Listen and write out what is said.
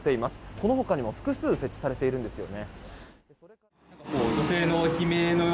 この他にも複数設置されているんですよね。